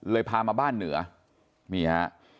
เลยพามาบ้านเหนือมีฮะ